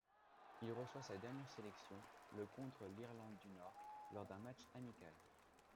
Il reçoit sa dernière sélection le contre l'Irlande du Nord, lors d'un match amical.